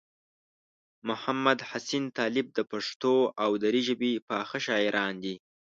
محمدحسین طالب د پښتو او دري ژبې پاخه شاعران دي.